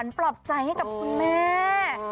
ปลอบขวัญปลอบใจให้กับคุณแม่